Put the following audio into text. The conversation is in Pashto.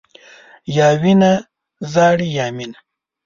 یا وینه ژاړي، یا مینه.